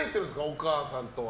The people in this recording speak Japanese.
お母さんとは。